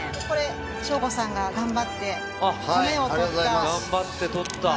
省吾さんが頑張って米を取った。